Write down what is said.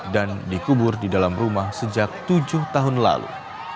dan dikubur di dalam rumah sejak tujuh tahun lalu